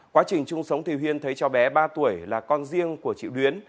quá trình chung sống thì huyên thấy cháu bé ba tuổi là con riêng của chị đuyến